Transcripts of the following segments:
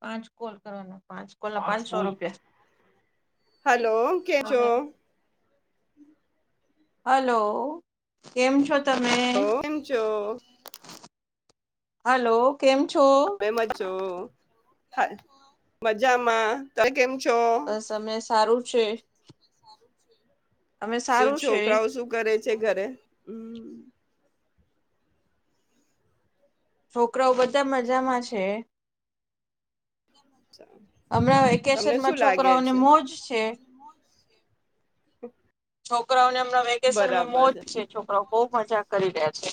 પાંચ કોલ કરવાના પાંચ કોલના પાંચસો રૂપિયા. હલો કેમ છો? હલો કેમ છો તમે? કેમ છો હલો કેમ છો? હમે મજો હ મજામાં. તમે કેમ છો? સમય સારું છે. અમે શું સારું છે છોકરાઓ શું કરે છે ઘરે? હમ છોકરાઓ બધા મજામાં છે. [inaudible] હમણાં તમને વેકેશનમાં શું લાગે છોકરાઓને છે મોજ છે. છોકરાઓને હમણાં વેકેશનમાં મોજ છે. છોકરાઓ બહુ મજા કરી રહ્યા છે.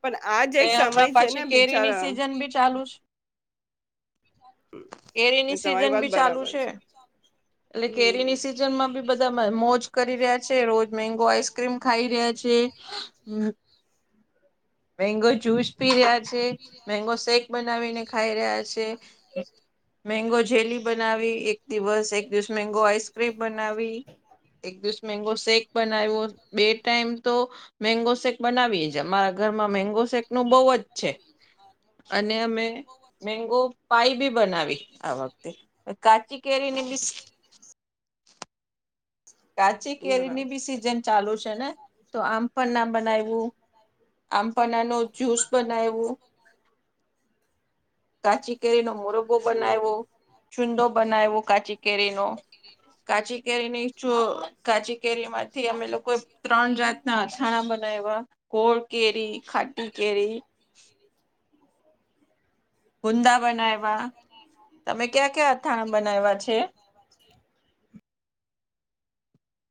પણ આજ ને એક સમય હમણાં છે ને પાછી કેરીની બિચારા સીઝન બી ચાલુ છ કેરીની તમારી સિઝન વાત બી ચાલુ બરાબર છે. એટલે હમ કેરીની સિઝનમાં બી બધ એકદમ મોજ કરી રહ્યા છે. રોજ મેગો આઈસક્રીમ ખાઈ રહ્યા છે. મેંગો જ્યુસ પી રહ્યા છે, મેગો શેક બનાવીને ખાઈ રહ્યા છે. મેંગો જેલી બનાવી એક દિવસ, એક દિવસ મેંગો આઈસક્રીમ બનાવી. એક દિવસ મેંગો શેક બનાવ્યો. બે ટાઈમ તો મેંગો શેક બનાવીએે જ. અમારા ઘરમાં મેગો શેકનો બોવ જ છે. અને અમે મેંગો પાય બી બનાવી આ વખતે. અને કાચી કેરીને બી કાચી કેરીની બરાબર બી સિઝન ચાલુ છે ને તો આમ પણ ના બનાયવું. આમપનાનું જૂસ બનાયવું. કાચી કેરીનો મોરબ્બો બનાયવો, છુંદો બનાયવો કાચી કેરીનો. કાચી કેરીની તો કાચી કેરીમાંથી અમે લોકોએ ત્રણ જાતના અથાણા બનાઇવા. ગોળ કેરી, ખાટી કેરી હુંદા બનાઇવા, તમે ક્યાં કયા અથાણા બનાઇવા છે? [inaudible]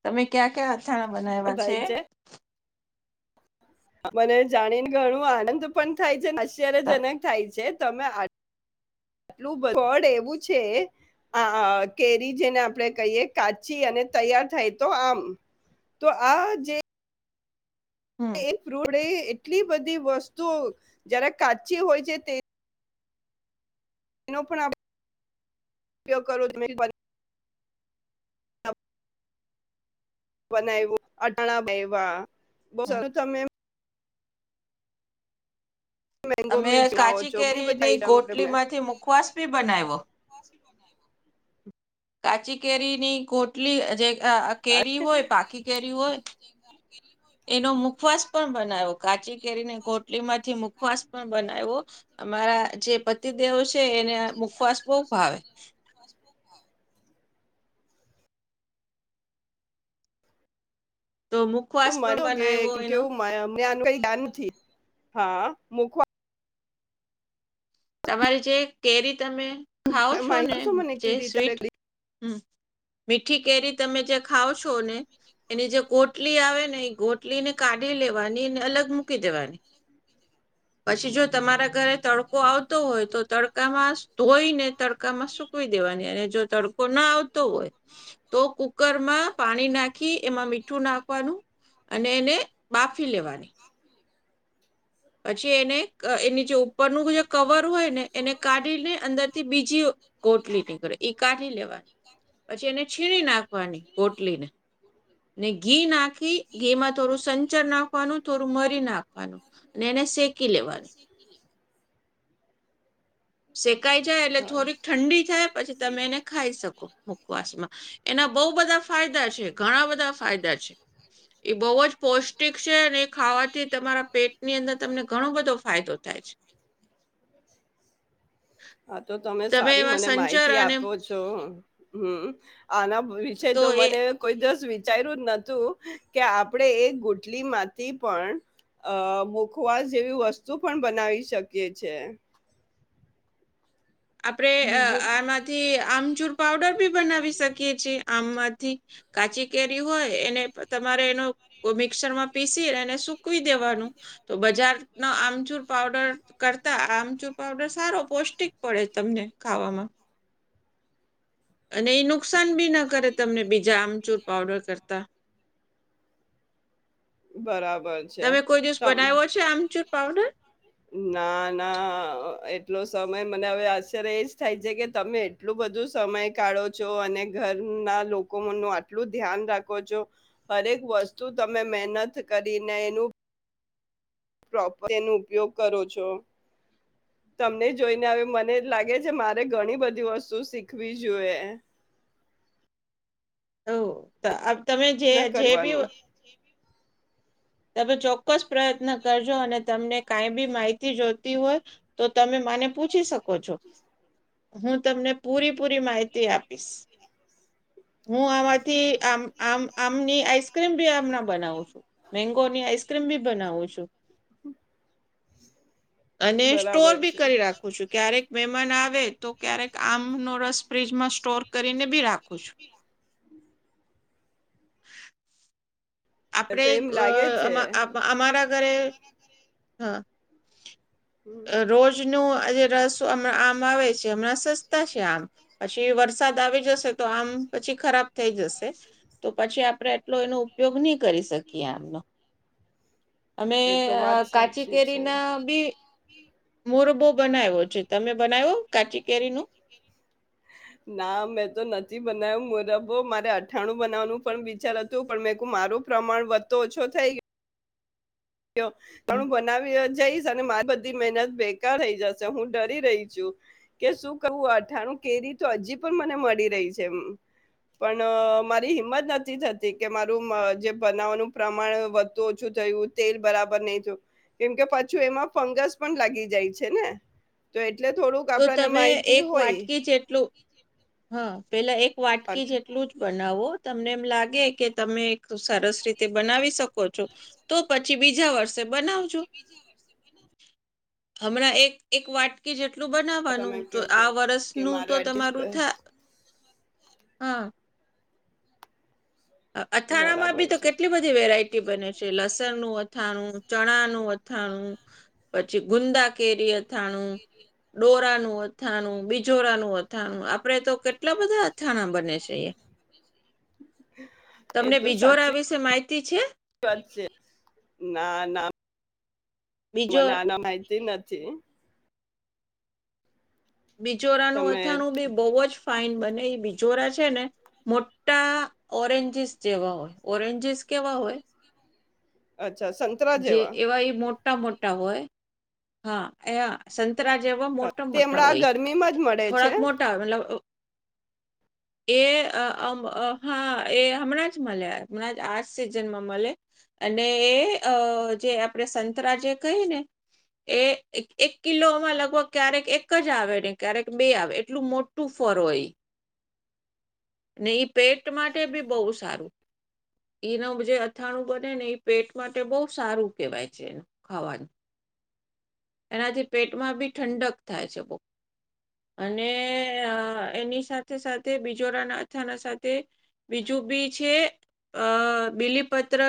તમે ક્યાં ક્યા અથાણા બનાઇવા છે? મને જાણીને ઘણું આનંદ પણ થાય છે, આશ્ચર્યજનક થાય છે તમે આ ટલું બ [unintelligible] પણ એવું છે આ આ આ કેરી જેને આપણે કહીએ કાચી અને તૈયાર થાય તો આમ તો આ જે હમ એ ફૂડ એ એટલી બધી વસ્તુઓ જરા કાચી હોય છે તે એનો પણ આપણે [unintelligible] ઉપયોગ કરવો [unintelligible] બનાઈવુ, અથાણા બાયવા, બો સ હમ તમે મેંગો અમે મિલ્ક બનાવો કાચી છો ઘણી કેરીની બધી આઈટમ ગોટલી માંથી મુખવાસ બી બનાઇવો. આસી બનાઇવો? કાચી કેરીની ગોટલી જે અ અ કેરી હોય પાકી કેરી હોય એનો મુખવાસ પણ બનાઇવો કાચી કેરીને ગોટલીમાંથી મુ ખવાસ પણ બનાઇવો. અમારા જે પતિદેવો છે એને મુખવાસ બહુ ભાવે. પાસબુક [inaudible] તો મુક તો મને કેવું કે કેવું કે મને આનું કઈ યાદ નથી હા મુખવા તમારી જે કેરી તમે ખાવ છો માહિતી ને આપશો મને જે કેવી રીતે સ્વીટ આપણે હા. ઠંડી છે હમ્મ, મીઠી કેરી તમે જે ખાવ છો ને એની જે ગોટ લી આવે ને એ ગોટલી ને કાઢી લેવાની ને અલગ મૂકી દેવાની. પછી જો તમારા ઘરે તડકો આવ તો હોય તો તડકામાં ધોઈને તડકામાં સુકવી દેવાની અને જો તડકો ન આવ તો હોય તો કુકરમાં પાણી નાખી, એમાં મીઠું નાખવાનું. અને એને બાફી લેવાની. પછી એને એની જે ઉપરનું જે કવર હોય ને એને કાઢીને અંદરથી બીજી ગોટલી નીકળે ઈ કાઢી લેવાની, પછી એને છીણી નાખવાની ગોટલી ને ને ઘી નાખી, ઘીમાં થોડું સંચર નાખવાનું, થોડું મરી નાખવાનું. અને એને શેકી લેવાનું. [inaudible] શેકાઈ જાય એટલે થોડીક ઠંડી થાય પછી તમે એને ખાઈ શકો મુખવાસમાં. એના બઉ બધા ફાયદા છે, ઘણા બધા ફાયદા છે. એ બોવ જ પૌષ્ટિક છે અને એ ખાવાથી તમારા પેટની અંદર તમને ઘણો બધો ફાયદો થાય છે. હા તો તમે સારી એમાં મને સંચર માહિતી અને આપો છો હમ્મ આના વિશે તો મને કોઈ દિવસ વિચાઇર્યું જ નતું કે આપણેે એ ગુટલી માંથી પણ અ મુખવાસ જેવી વસ્તુ પણ બનાવી શકીએ છે. આપણે આ આ બીજું આમાંથી આમચૂર પાવડર બી બનાવી શકીએ છીએ, આમમાંથી. કાચી કેરી હોય એને તમારે એનો કો મિક્સરમાં પીસી એને સુકવી દેવાનું તો બજારના આમચુર પાવડર કરતા આમચુર પાવડર સારો પૌષ્ટિક પડે તમને ખાવામાં. અને ઈ નુકસાન બી ન કરે તમને બીજા આમચૂર પાવડર કરતા. બરાબર. છે તમે કોઈ દિવસ તમ બનાઈવો છે, આમચૂર પાવડર. ના, ના એટલો સમય મને હવે આશ્ચર્ય એ જ થાય છે, કે તમે આટલું બધું સમય કાઢો છો, અને ઘરના લોકનું આટલું ધ્યાન રાખો છો. હરેક વસ્તુ તમે મહેનત કરીને એનું પ્રોપર એનો ઉપયોગ કરો છો. તમને જોઈને હવે મને લાગે છે, મારે ઘણી બધી વસ્તુ શીખવી જોઈએ. ઓ તો તમે જે પ્રયત્ન કરવાનું જેબી તમે ચોક્કસ પ્રયત્ન કરજો, અને તમને કાઈ બી માહિતી જોતી હોય. તો તમે મને પૂછી શકો છો? હું તમને પૂરી પૂરી માહિતી આપીશ. હું આમાંથી આ આમ આમની આઈસક્રીમ ભી આમના બનાવું છું. મેંગોની આઈસક્રીમ બી બનાવું છું. અને સ્ટોર બરાબર બી છે. કરી રાખું છું. ક્યારેક મહેમાન આવે તો, ક્યારેક આમનો રસ ફ્ર્રીજમાં સ્ટોર કરીને બી રાખું છું. [unintelligible] આપણે તો એમ લાગે છે. અમારા ઘરે, હા. હમ રોજનું જે રસમણાં આમ આવે છે, હમણાં સસ્તા છે, આમ પછી વરસાદ આવી જશે, તો આમ પછી ખરાબ થઈ જશે. તો પછી આપણે એટલો એનો ઉપયોગ નહી કરી શકીએ, આમનો અમે એ તો વાત કાચી સાચી કેરી છે. ના બી. મોરબો બનાવ્યો છે, તમે બનાવો કાચી કેરી નું ના, મેં તો નથી બનાવ્યું, મોરબો મારે અઠાણું બનાવાનું પણ વીચાર હતું. પણ મેં ક મારું પ્રમાણ વધતો ઓછો થઈ ગયો. હમ. તણું બનાવી જઈશ. અને મારી બધી મહેનત બેકાર થઈ જશે, હું ડરી રહી છું. કે શું કરવું? અઠાણું કેરી તો, હજી પણ મને મળી રહી છે. પણ મારી હિંમત નથી થતી કે, મારું જે બનાવવાનું પ્રમાણ વધતુ ઓછું થયું. તેલ બરાબર નહી, તો કેમકે પાછું એમાં ફંગસ પણ લાગી જાય છે ને. તો એટલે થોડુંક આપણાને માહિતી હોય. કેટલું? હા, પેલા એક વાટકી અટ- જેટલું જ બનાવો તમને એમ લાગે કે તમે તો સરસ રીતે બનાવી શકો છો, તો પછી બીજા વર્ષે બનાવજો. હમણાં એક એક વાટકી જેટ કેટલું બનાવવાનું? તમે તો કેવ છો આ કે વર્ષનું તો મારે એડજસ્ટ તમારું થાય, હા. અથાણામાં બરાબર બી તો છે કેટલી બધી વેરાય ટી બને છે, લસણ નું, અથાણું, ચણા નું, અથાણું પછી ગુંદા કેરી અથાણું, ડોરા નું અથાણું, બિજોરા નું અથાણું આપડે તો કેટ એટલા બધા અથાણા બને છે, એ [unintelligible] તમને બીજોરા સાચી વિશે માહિતી છે? [unintelligible] ના, ના. બીજો મને આના માહિતી નથી. બિજોરાનું તમે અથાણું બી બહુ જ ફાઈન બને, એ બિજોરા છે ને. મોટા ઓરેન્જીસ જેવા હોય, ઓરેન્જીસ કેવા હોય? અચ્છા. જે જેવા એવા એ મોટા મોટા હોય, હા, એયા. સંતરા જેવા મોટા તે મોટા હમણાં આ હોય, ગરમીમાં જ મળે છે થોડાક મોટા હોય, મતલબ એ હા, એ હમણાં જ મળે, હમણાં જ આજ સિજનમાં મળે. અને એ અ જે આપણે સંતરા જે કહી ને. એ એક કિલોમાં લગભગ ક્યારેક એક જ આવે ને, ક્યારેક બે આવે એટલું મોટ ટુ ફોર હોય. ને ઈ પેટ માટે બી બહુ સારું. એનું જે અથાણું બને ને એ પેટ માટે બહુ સારું કેહેવાય છે ખાવાનું. એનાથી પેટમાં બી ઠંડક થાય છે બહું અને એની સાથે સાથે બિજોરાના અથાના સાથે બીજું બી છે અ બિલીપત્ર